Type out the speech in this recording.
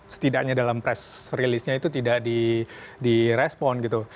setidaknya dalam press release nya itu tidak direspon gitu